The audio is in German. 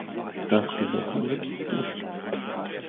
Das Gewässer wird befischt.